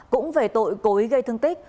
cũng về tội cố ý gây thương tích